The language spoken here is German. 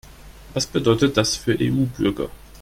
Was bedeutet das für EU-Bürger?